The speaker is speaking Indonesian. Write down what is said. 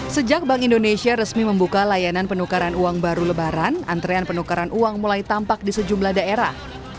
sejak bank indonesia resmi membuka layanan penukaran uang baru lebaran antrean penukaran uang mulai tampak di sejumlah daerah